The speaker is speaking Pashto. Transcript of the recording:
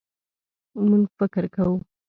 مونږ فکر کوو